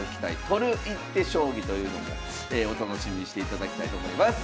「取る一手将棋」というのもお楽しみにしていただきたいと思います。